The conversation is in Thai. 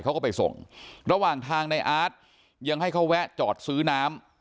เขาก็ไปส่งระหว่างทางในอาร์ตยังให้เขาแวะจอดซื้อน้ำ